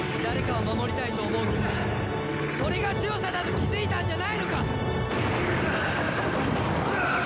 誰かを守りたいと思う気持ちそれが強さだと気付いたんじゃないのか！